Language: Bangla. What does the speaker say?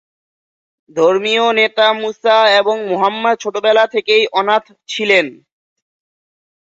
ধর্মীয় নেতা মুসা এবং মুহাম্মাদ ছোটবেলা থেকেই অনাথ ছিলেন।